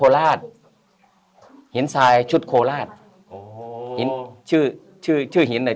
๑๔๐ล้านปี